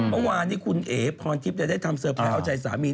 เมื่อวานนี้คุณเอ๋พรทิพย์ได้ทำเตอร์ไพรส์เอาใจสามี